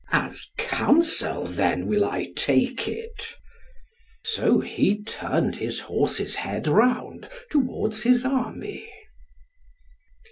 "As counsel then will I take it." So he turned his horse's head round towards his army.